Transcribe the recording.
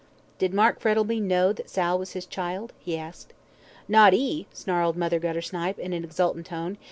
"Did Mr. Frettlby know Sal was his child?" he asked. "Not 'e," snarled Mother Guttersnipe, in an exultant tone.